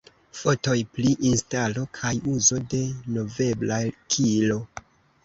Fotoj pri instalo kaj uzo de "movebla kilo"